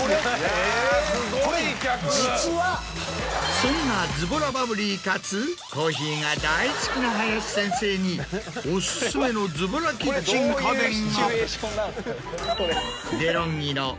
そんなズボラバブリーかつコーヒーが大好きな林先生にオススメのズボラキッチン家電が。